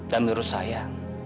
dan menurut saya